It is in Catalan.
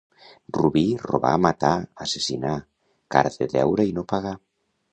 Rubí, robar, matar, assassinar, cara de deure i no pagar.